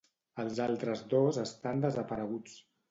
Els altres dos estan desapareguts.